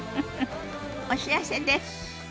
お知らせです。